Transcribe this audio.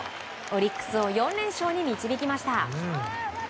オリックスを４連勝に導きました。